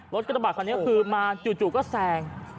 กระบาดคันนี้คือมาจู่ก็แซง